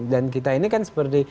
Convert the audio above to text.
dan kita ini kan seperti